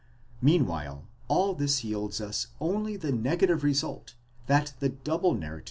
Meanwhile, all this yields us only the negative result that the double narratives 7 Paulus, ex.